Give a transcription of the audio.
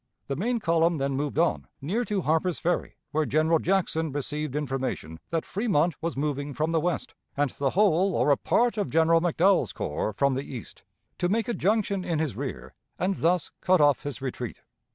The main column then moved on near to Harper's Ferry, where General Jackson received information that Fremont was moving from the west, and the whole or a part of General McDowell's corps from the east, to make a junction in his rear and thus cut off his retreat.